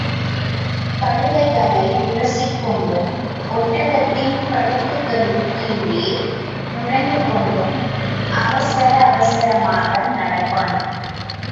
கழுதைகளை உரசிக் கொண்டும் ஒட்டகத்தின் கழுத்துகளுக்குக் கீழே நுழைந்துகொண்டும் அவசர அவசரமாக நடப்பான்.